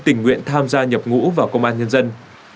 tình nguyện tham gia nhập ngũ vào công an nhân dân